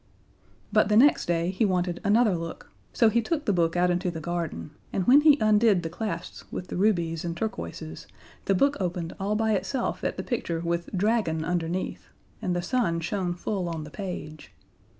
But the next day he wanted another look, so he took the book out into the garden, and when he undid the clasps with the rubies and turquoises, the book opened all by itself at the picture with "Dragon" underneath, and the sun shone full on the page.